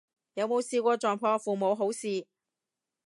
有冇試過撞破父母好事